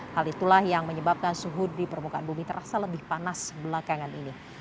hal itulah yang menyebabkan suhu di permukaan bumi terasa lebih panas belakangan ini